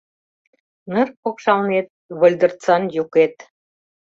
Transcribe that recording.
Ныр покшалнет выльдырцан юкет —